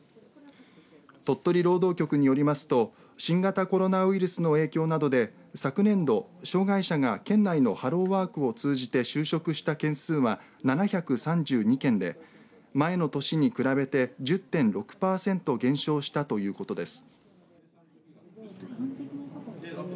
鳥取労働局によりますと新型コロナウイルスの影響などで昨年度、障害者が県内のハローワークを通じて就職した件数は、７３２件で前の年に比べて１０．６パーセント減少したということです。